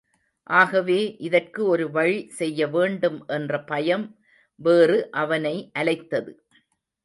ஆகவே இதற்கு ஒரு வழி செய்ய வேண்டும் என்ற பயம் வேறு அவனை அலைத்தது.